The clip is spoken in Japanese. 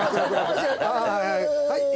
はい！